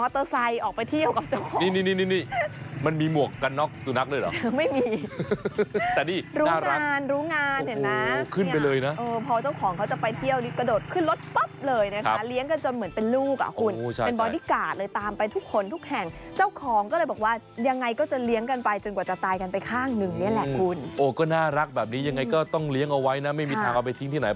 แล้วก็ทรงสารก็เลยเก็บมาเลี้ยงเหลี้ยงไปนานก็รักไงเพราะว่ามีความผุมพันธ์กัน